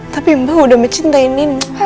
tapi mbak udah mencintai nino